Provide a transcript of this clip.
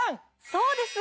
そうです！